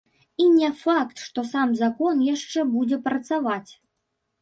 І не факт, што сам закон яшчэ будзе працаваць.